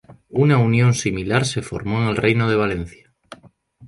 Una unión similar se formó en el reino de Valencia.